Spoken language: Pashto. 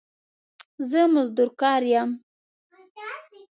زه مزدور کار يم